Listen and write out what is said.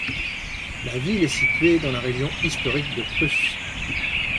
La ville est située dans la région historique de Prusse.